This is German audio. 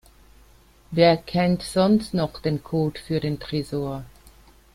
Wer kennt sonst noch den Code für den Tresor?